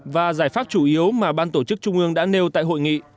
và giải pháp chủ yếu mà ban tổ chức trung ương đã nêu tại hội nghị